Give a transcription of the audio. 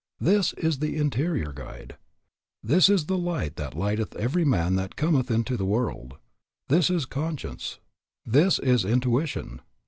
This is the interior guide. This is the light that lighteth every man that cometh into the world. This is conscience. This is intuition.